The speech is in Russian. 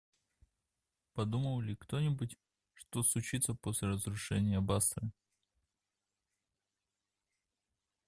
Подумал ли кто-нибудь, что случится после разрушения Басры?